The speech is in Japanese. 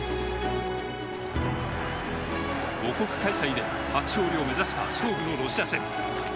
母国開催で初勝利を目指した勝負のロシア戦。